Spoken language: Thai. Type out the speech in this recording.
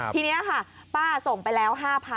ทีนี้ค่ะป้าส่งไปแล้ว๕๐๐๐